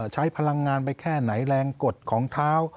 ใช้พลังงานไปแค่ไหนแรงกดของเท้า